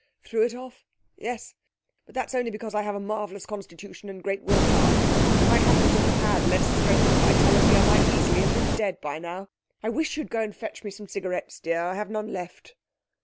'Threw it off! Yes, but that's only because I have a marvellous constitution and great will power. If I happened to have had less strength and vitality, I might easily have been dead by now. I wish you'd go and fetch me some cigarettes, dear. I have none left.'